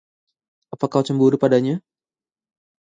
Apa kau cemburu padanya?